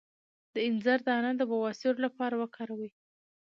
د انځر دانه د بواسیر لپاره وکاروئ